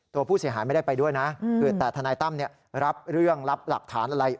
ตัวผู้เสียหายไม่ได้ไปด้วยนะคือแต่ทนายตั้มรับเรื่องรับหลักฐานอะไร